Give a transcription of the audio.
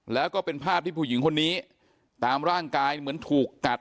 แล้วก็เป็นภาพที่ผู้หญิงคนนี้ตามร่างกายเหมือนถูกกัด